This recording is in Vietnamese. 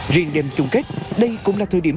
riêng đêm chung kết đây cũng là thời điểm